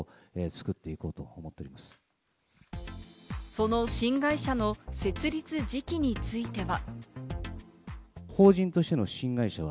その新会社の設立時期については。